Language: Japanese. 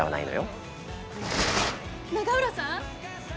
「永浦さん？」。